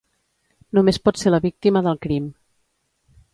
Només pot ser la víctima del crim.